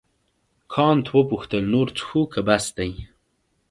کانت وپوښتل نور څښو که بس دی.